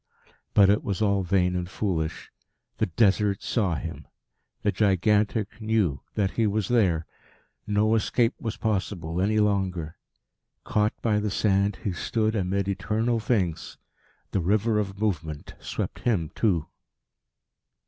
But it was all vain and foolish. The Desert saw him. The Gigantic knew that he was there. No escape was possible any longer. Caught by the sand, he stood amid eternal things. The river of movement swept him too.